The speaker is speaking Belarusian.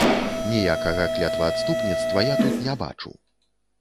Ніякага клятваадступніцтва я тут не бачу.